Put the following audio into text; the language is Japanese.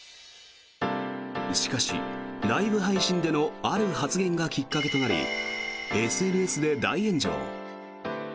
しかしライブ配信でのある発言がきっかけとなりＳＮＳで大炎上。